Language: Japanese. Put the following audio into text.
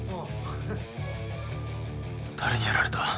誰にやられた？